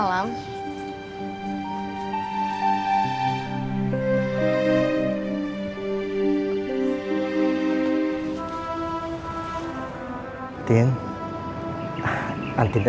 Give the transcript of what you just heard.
kenapa tidak bisa